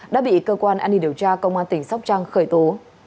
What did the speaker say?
đã bị cơ quan an ninh điều tra công an tỉnh sóc trăng khởi tố